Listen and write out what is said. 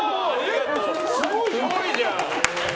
すごいじゃん！